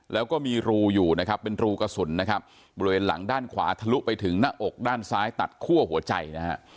แล้วก็มีรูอยู่นะครับเป็นรูกระสุนนะครับบริเวณหลังด้านขวาทะลุไปถึงหน้าอกด้านซ้ายตัดคั่วหัวใจนะฮะ